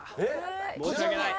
申し訳ない。